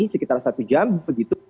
sekitar satu jam begitu